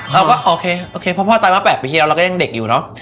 เราก็โอเคพ่อตายมา๘ปีที่แล้วเราก็ยังเด็กอยู่เนอะ